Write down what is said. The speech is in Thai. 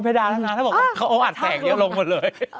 บนเพดานั่นแหละถ้าเบาะอยู่อัดแสงเดียวลงหมดเลย